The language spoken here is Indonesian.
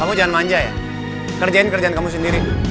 kamu jangan manja ya kerjain kerjaan kamu sendiri